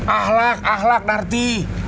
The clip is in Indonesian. ahlak ahlak narti